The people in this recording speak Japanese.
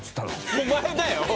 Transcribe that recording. お前だよ！